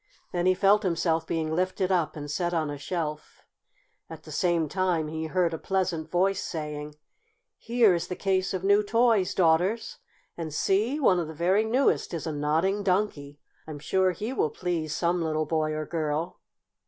Then he felt himself being lifted up and set on a shelf. At the same time he heard a pleasant voice saying: "Here is the case of new toys, Daughters. And see, one of the very newest is a Nodding Donkey! I'm sure he will please some little boy or girl!"